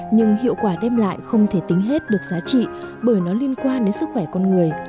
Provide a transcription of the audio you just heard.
nhưng hiệu quả đem lại không thể tính hết được giá trị bởi nó liên quan đến sức khỏe con người